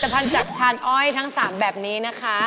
เชื่อจะย่าอันนี้ถูก